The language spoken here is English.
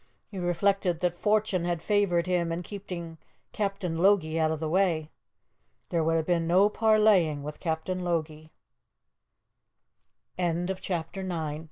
He reflected that fortune had favoured him in keeping Captain Logie out of the way. There would have been no parleying with Captain Logie. BOOK II CHAPTER X ADRIFT ARCH